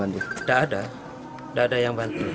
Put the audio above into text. tidak ada tidak ada yang bantu